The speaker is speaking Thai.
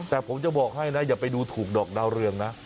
แต่ผมจะบอกให้นะอย่าไปดูถูกดอกดาวเรืองนะ